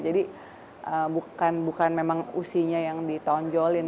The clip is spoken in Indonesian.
jadi bukan memang usinya yang ditonjolin